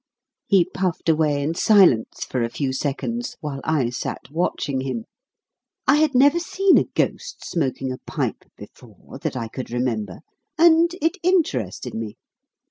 He puffed away in silence for a few seconds, while I sat watching him. I had never seen a ghost smoking a pipe before, that I could remember, and it interested me.